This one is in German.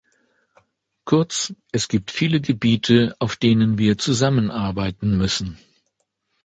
Kurz, es gibt viele Gebiete, auf denen wir zusammenarbeiten müssen.